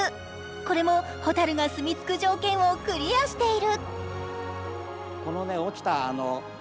これもほたるが住み着く条件をクリアしている。